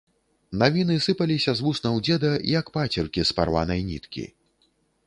Навіны сыпаліся з вуснаў дзеда, як пацеркі з парванай ніткі.